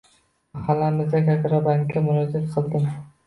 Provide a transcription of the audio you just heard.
Mahallamizdagi Agrobankka murojaat qildim.